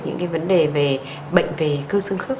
những cái vấn đề về bệnh về cơ xương khớp